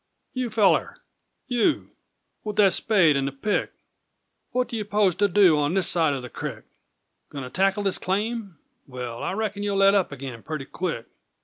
you feller! You With that spade and the pick! What do you 'pose to do On this side o' the crick? Goin' to tackle this claim? Well, I reckon You'll let up agin purty quick!